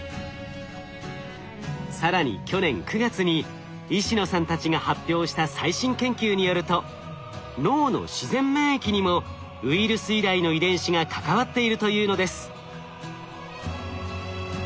更に去年９月に石野さんたちが発表した最新研究によると脳の自然免疫にもウイルス由来の遺伝子が関わっているというのです。